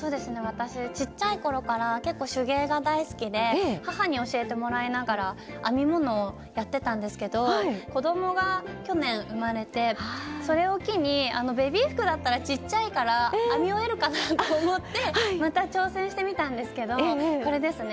私ちっちゃい頃から結構手芸が大好きで母に教えてもらいながら編み物をやってたんですけど子供が去年生まれてそれを機にベビー服だったらちっちゃいから編み終えるかなと思ってまた挑戦してみたんですけどこれですね。